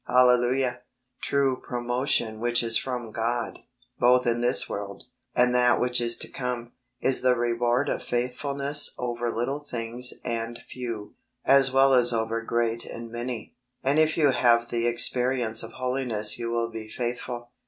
Hallelujah ! True promotion which is from God, both in this world and that which is to come, is the reward of faithfulness over little things and few, as well as over great and many, and if you have the experience of Holiness you will be faithful.